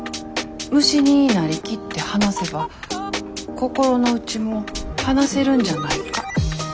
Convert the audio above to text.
虫になりきって話せば心の内も話せるんじゃないか？という会です。